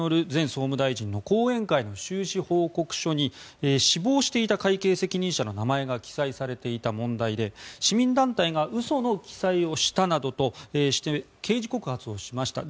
総務大臣の後援会の収支報告書に死亡していた会計責任者の名前が記載されていた問題で市民団体が嘘の記載をしたなどとして刑事告発をしました。